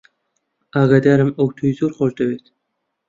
ئاگادارم ئەو تۆی زۆر خۆش دەوێت.